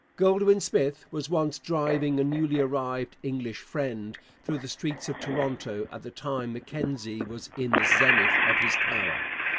Goldwin Smith was once driving a newly arrived English friend through the streets of Toronto at the time Mackenzie was in the zenith of his power.